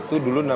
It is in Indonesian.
iya ada di sini